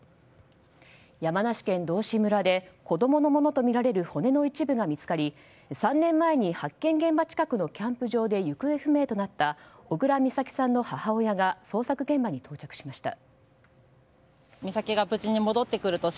山梨県道志村で子供のものとみられる骨の一部が見つかり３年前に発見現場近くのキャンプ場で行方不明となった小倉美咲さんの母親が捜索現場に到着しました。